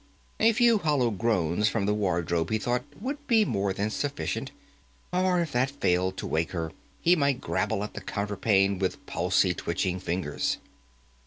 A few hollow groans from the wardrobe, he thought, would be more than sufficient, or, if that failed to wake her, he might grabble at the counterpane with palsy twitching fingers.